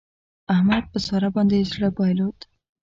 احمد په سارا باندې زړه بايلود.